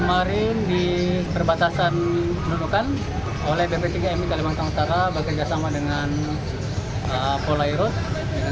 kemarin di perbatasan nunukan oleh pp tiga mi kalimantan utara bekerjasama dengan polairos